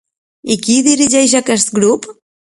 I qui dirigeix aquest grup?